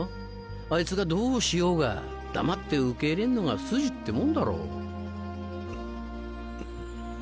あいつがどうしようが黙って受け入れるのが筋ってもんだろ。